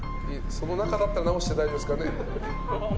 その中だったら直して大丈夫ですからね。